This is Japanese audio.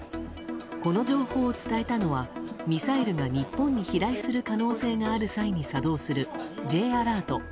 この情報を伝えたのはミサイルが日本に飛来する可能性がある際に作動するＪアラート